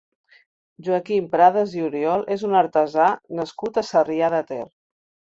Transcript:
Joaquim Pradas i Oriol és un artesà nascut a Sarrià de Ter.